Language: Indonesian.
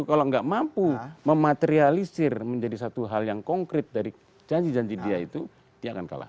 kalau nggak mampu mematrialisir menjadi satu hal yang konkret dari janji janji dia itu dia akan kalah